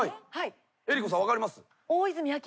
江里子さん分かります？